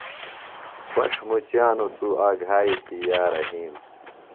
بݜ مچِیانوۡ توۡ آگھائے تھی یا رحیم۔